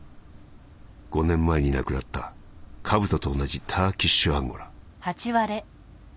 ５年前に亡くなったカブトと同じターキッシュアンゴラ」。